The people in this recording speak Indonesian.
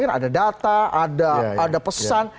ada data ada pesan